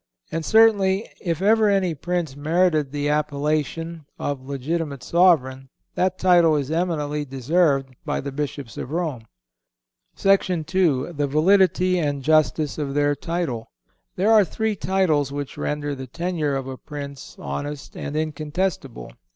And certainly, if ever any Prince merited the appellation of legitimate sovereign, that title is eminently deserved by the Bishops of Rome. II. The Validity And Justice Of Their Title. There are three titles which render the tenure of a Prince honest and incontestable, viz.